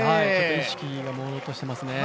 意識がもうろうとしてますね。